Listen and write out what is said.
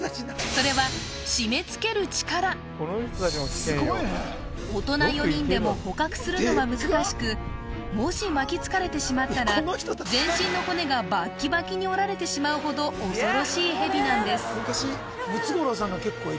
それは締めつける力大人４人でも捕獲するのは難しくもし巻きつかれてしまったら全身の骨がバッキバキに折られてしまうほど恐ろしいヘビなんです